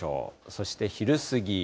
そして昼過ぎ。